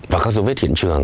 và các dấu vết hiện trường